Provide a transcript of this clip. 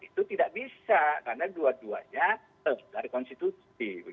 itu tidak bisa karena dua duanya dari konstitusi